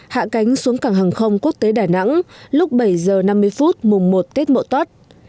hạ cánh xuống cảng hàng không quốc tế đà nẵng lúc bảy h năm mươi phút mùng một tết mộ tốt